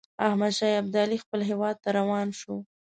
احمدشاه ابدالي خپل هیواد ته روان شو.